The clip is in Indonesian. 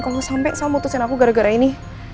kalo sampe sal mutusin aku gara gara ini